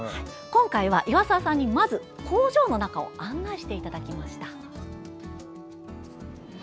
今回は岩沢さんにまず工場の中を案内してもらいました。